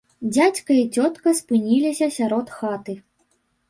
Дзядзька і цётка спыніліся сярод хаты.